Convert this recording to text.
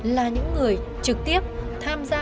là những người trực tiếp tham gia